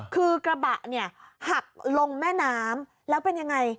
คือกระบะหักลงแม่น้ำแล้วเป็นอย่างไร